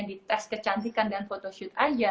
di tes kecantikan dan photoshoot aja